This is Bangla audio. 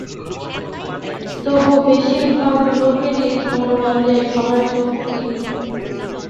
তবু বেশীরভাগ লোকেরই ধারণা যে, এইসব শক্তি অতি সহজেই অর্জন করা যায়।